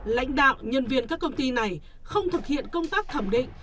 lãnh đạo nhân viên các công ty này không thực hiện công tác thẩm định